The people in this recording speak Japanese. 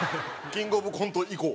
キングオブコント以降？